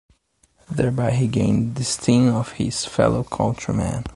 Thereby he gained the esteem of his fellow countrymen.